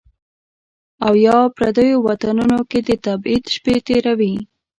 او یا، پردیو وطنونو کې د تبعید شپې تیروي